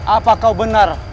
apa kau benar